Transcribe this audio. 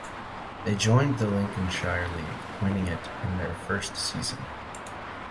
They joined the Lincolnshire League, winning it in their first season.